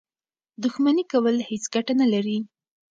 دښمني کول هېڅ ګټه نه لري.